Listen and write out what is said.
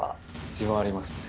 自分ありますね。